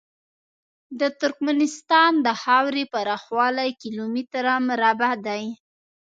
د ترکمنستان د خاورې پراخوالی کیلو متره مربع دی.